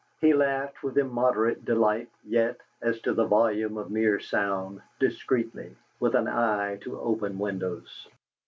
He laughed with immoderate delight, yet, as to the volume of mere sound, discreetly, with an eye to open windows.